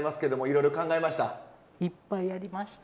いっぱいやりました。